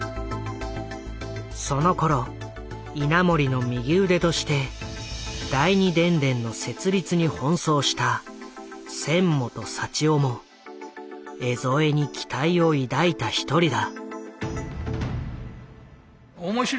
そのころ稲盛の右腕として第二電電の設立に奔走した千本倖生も江副に期待を抱いた一人だ。